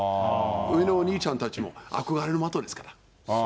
上のお兄ちゃんたちも、憧れの的ですから。